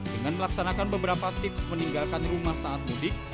dengan melaksanakan beberapa tip meninggalkan rumah saat mudik